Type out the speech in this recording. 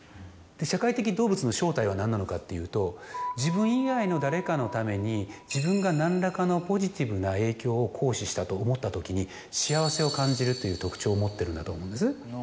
社会的動物の正体は何なのかっていうと自分以外の誰かのために自分が何らかのポジティブな影響を行使したと思ったときに幸せを感じるという特徴を持ってるんだと思うんです。